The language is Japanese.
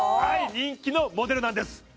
人気のモデルなんです